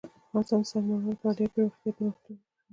افغانستان کې د سنگ مرمر لپاره دپرمختیا پروګرامونه شته.